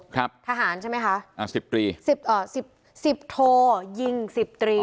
ครับทหารใช่ไหมคะอ่าสิบตรีสิบเอ่อสิบสิบโทยิงสิบตรี